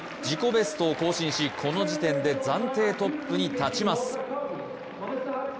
自己ベストを更新し、この時点で暫定トップに立ちます。